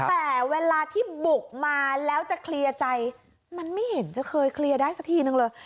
แต่เวลาที่บุกมาแล้วจะเคลียร์ใจมันไม่เห็นจะเคยเคลียร์ได้สักทีนึงเลย